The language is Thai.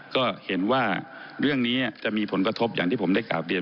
ก็เห็นว่าเรื่องนี้จะมีผลกระทบอย่างที่ผมได้กราบเรียน